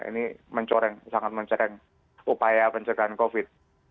ini mencoreng sangat mencoreng upaya pencegahan covid